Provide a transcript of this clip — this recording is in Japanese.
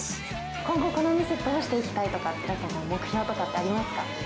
今後、この店をどうしていきたいとか、目標とかってありますか？